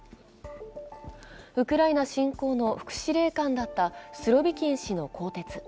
ウクライナ侵攻の副司令官だったスロビキン氏の更迭。